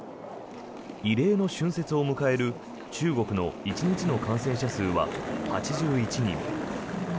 異例の春節を迎える中国の１日の感染者数は８１人。